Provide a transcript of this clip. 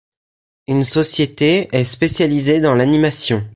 Une société est spécialisée dans l'animation.